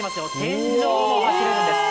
天井も走れるんです。